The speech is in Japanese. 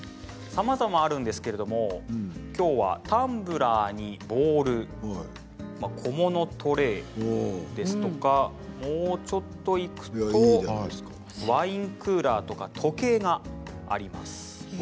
さまざまあるんですけれどもきょうはタンブラーにボウル小物、トレーもうちょっといくとワインクーラーとか時計があります。